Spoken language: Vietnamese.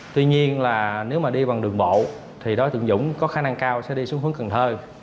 tuy nhiên là nếu mà đi bằng đường bộ thì đối tượng dũng có khả năng cao sẽ đi xuống hướng cần thơ